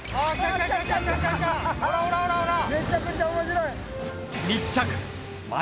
めちゃくちゃ面白い！